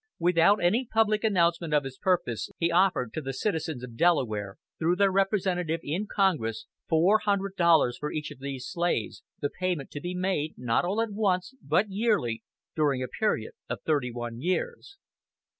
Without any public announcement of his purpose he offered to the citizens of Delaware, through their representative in Congress, four hundred dollars for each of these slaves, the payment to be made, not all at once, but yearly, during a period of thirty one years.